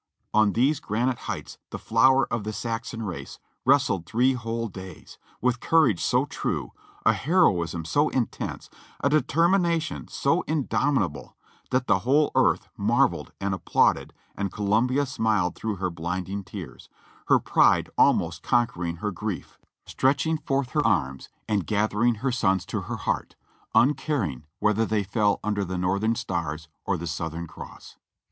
On those granite heights the flower of the Saxon race wrestled three whole days, with courage so true, a heroism so intense, a deter mination so indomitable that the whole earth marveled and ap plauded and Columbia smiled through her blinding tears, her pride almost conquering her grief, stretching forth her arms and gi; ttysburg 383 o'athering her sons to her heart, uncaring whether they fell under the Northern Stars or the Southern Cross.